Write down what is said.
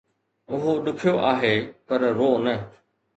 اهو ڏکيو آهي، پر روء نه